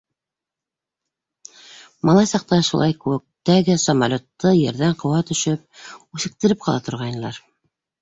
Малай саҡта шулай күктәге самолетты ерҙән ҡыуа төшөп, үсектереп ҡала торғайнылар.